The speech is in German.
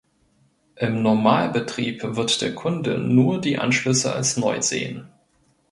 Im Normalbetrieb wird der Kunde nur die Anschlüsse als neu sehen.